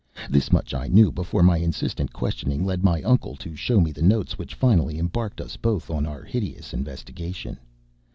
This much I knew before my insistent questioning led my uncle to show me the notes which finally embarked us both on our hideous investigation.